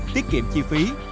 tiết kiệm chi phí